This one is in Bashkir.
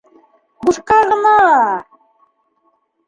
Бушҡа ғына!